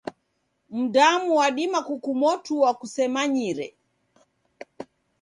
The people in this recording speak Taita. Mdamu wadima kukumotua kusemanyire.